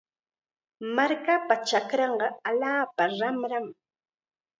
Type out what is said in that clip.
Markapa chakranqa allaapa ranram.